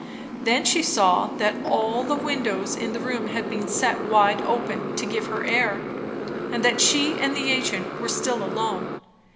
Then she saw that all the windows in the room had been set wide open, to give her air; and that she and the agent were still alone.